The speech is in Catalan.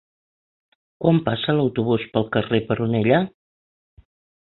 Quan passa l'autobús pel carrer Peronella?